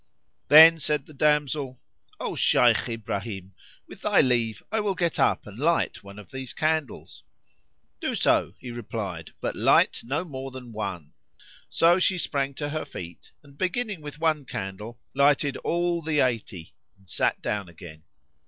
Then said the damsel, "O Shaykh Ibrahim, with thy leave I will get up and light one of these candles." "Do so," he replied, "but light no more than one." So she sprang to her feet and, beginning with one candle, lighted all the eighty and sat down again.